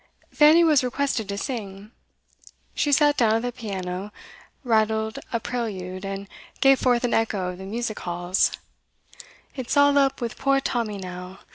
Fanny was requested to sing. She sat down at the piano, rattled a prelude, and gave forth an echo of the music halls: '_It's all up with poor Tommy now.